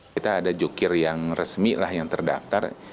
kita ada jokir yang resmi yang terdaftar